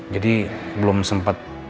jadi belum sempet